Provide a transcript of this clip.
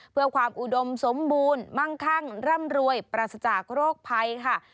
เพื่อความอุดมสมบูรณ์มั่งคั่งร่ำรวยปราศจากโรคภัยค่ะ